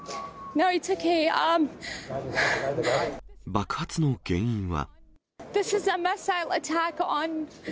爆発の原因は。